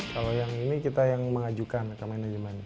kalau yang ini kita yang mengajukan atau manajemen